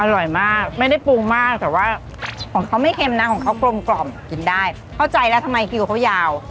อร่อยมากไม่ได้ปรุงมากแต่ว่าของเขาไม่เค็มนะของเขากลมกล่อมกินได้เข้าใจแล้วทำไมคิวเขายาว